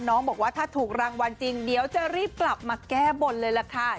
บอกว่าถ้าถูกรางวัลจริงเดี๋ยวจะรีบกลับมาแก้บนเลยล่ะค่ะ